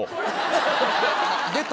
出た。